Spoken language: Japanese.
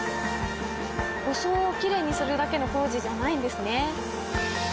装をきれいにするだけの工事じゃないんですね。